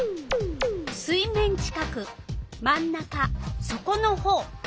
水面近く真ん中そこのほう。